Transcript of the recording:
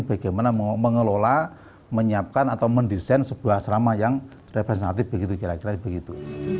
bagaimana mengelola menyiapkan atau mendesain sebuah asrama yang representatif begitu kira kira begitu